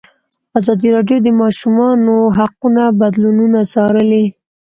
ازادي راډیو د د ماشومانو حقونه بدلونونه څارلي.